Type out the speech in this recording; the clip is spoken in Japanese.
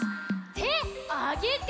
てあげて！